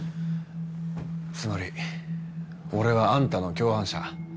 つまり俺はあんたの共犯者。